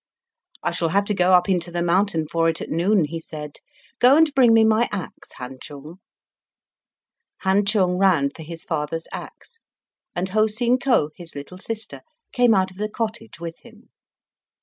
"I shall have to go up into the mountain for it at noon," he said. "Go and bring me my axe, Han Chung." Han Chung ran for his father's axe, and Ho Seen Ko, his little sister, came out of the cottage with him.